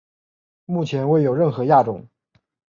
目前未有任何亚种。